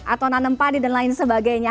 atau nanam padi dan lain sebagainya